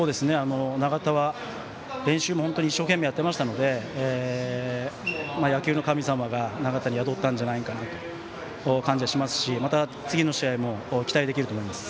長田は、練習も本当に一生懸命やっていましたので野球の神様が長田に宿ったんじゃないかなという気もしますし、次の試合も期待できると思います。